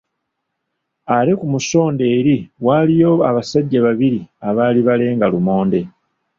Ate ku mu sonda eri waaliyo abasajja babiri abaali balenga lumonde.